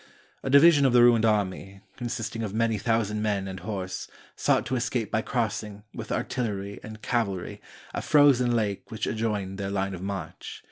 A division of the ruined army, consisting of many thousand men and horse, sought to escape by crossing, with artillery and cavalry, a frozen lake which adjoined their line of march.